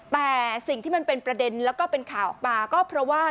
แต่สิ่งที่มันเป็นประเด็นแล้วก็เป็นข่าวออกมาก็เพราะว่า